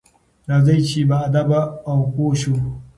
راځئ چې باادبه او پوه شو.